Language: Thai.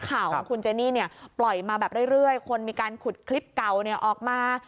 ข่าวของคุณเจนี่เนี่ยปล่อยมาแบบเรื่อยคนมีการขุดคลิปเก่าออกมา